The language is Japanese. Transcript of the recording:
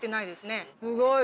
すごい。